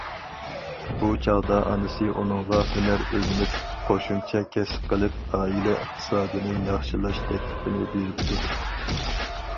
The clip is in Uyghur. بۇ چاغدا ئانىسى ئۇنىڭغا ھۈنەر ئۆگىنىپ، قوشۇمچە كەسىپ قىلىپ، ئائىلە ئىقتىسادىنى ياخشىلاش تەكلىپىنى بېرىپتۇ.